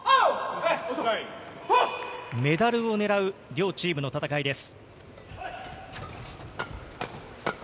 メダルを狙う両チームの戦いです。